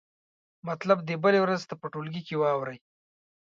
مطلب دې بلې ورځې ته په ټولګي کې واورئ.